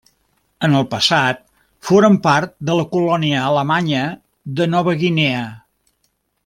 En el passat foren part de la colònia alemanya de Nova Guinea.